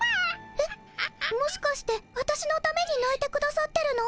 えっもしかしてわたしのためにないてくださってるの？